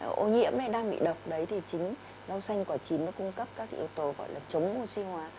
ô nhiễm này đang bị độc đấy thì chính rau xanh quả chín nó cung cấp các yếu tố gọi là chống oxy hóa